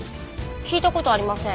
聞いた事ありません。